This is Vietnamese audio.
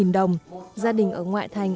hai mươi đồng gia đình ở ngoại thành